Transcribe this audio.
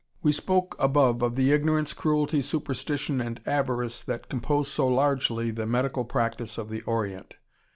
] We spoke above of the ignorance, cruelty, superstition, and avarice that compose so largely the medical practice of the Orient.